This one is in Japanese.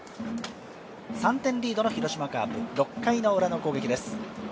３点リードの広島カープ、６回ウラの攻撃です。